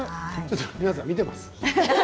皆さん見てます？